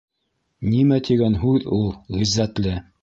- Нимә тигән һүҙ ул ғиззәтле?